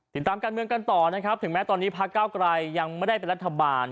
ติดตามการเมืองกันต่อนะครับถึงแม้ตอนนี้พระเก้าไกรยังไม่ได้เป็นรัฐบาล